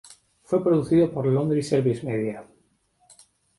Fue producido por Laundry Service Media.